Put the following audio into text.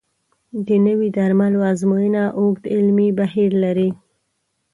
د نوي درملو ازموینه اوږد علمي بهیر لري.